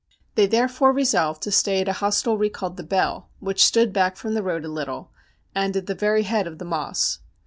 They therefore resolved to stay at a hostelry called the Bell, which stood back from the road a little, and at the very head of the Moss.